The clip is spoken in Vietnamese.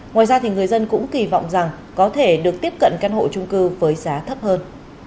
ngoài ra người dân cũng kỳ vọng rằng có thể được tiếp cận căn hộ trung cư với giá thấp hơn